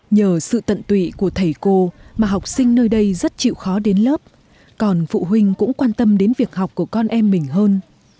nhờ sự tận tụy của thầy cô mà học sinh nơi đây rất chịu khó đến lớp còn phụ huynh cũng quan tâm đến việc học của con em mình hơn